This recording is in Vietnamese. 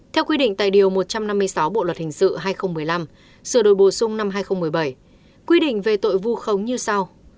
theo quy định tại điều một trăm năm mươi sáu bộ luật hình sự hai nghìn một mươi năm sửa đổi bổ sung năm hai nghìn một mươi bảy quy định về tội vu khống như sau